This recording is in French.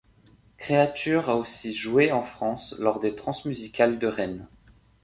Creature a aussi joué en France lors des Transmusicales de Rennes.